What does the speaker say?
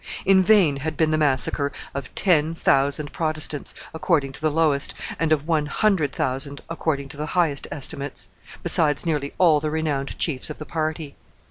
In vain had been the massacre of ten thousand Protestants, according to the lowest, and of one hundred thousand, according to the highest estimates, besides nearly all the renowned chiefs of the party.